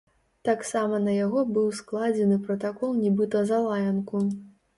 Таксама на яго быў складзены пратакол нібыта за лаянку.